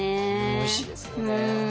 おいしいですよね。